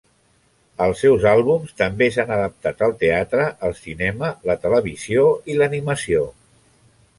Els seus àlbums també s’han adaptat al teatre, el cinema, la televisió i l’animació.